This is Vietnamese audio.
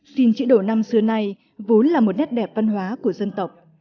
xin chữ đồ năm xưa nay vốn là một nét đẹp văn hóa của dân tộc